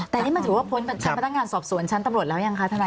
แต่นี่มันถือว่าพ้นชั้นพนักงานสอบสวนชั้นตำรวจแล้วยังคะทนาย